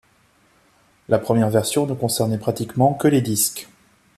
La première version ne concernait pratiquement que les disques.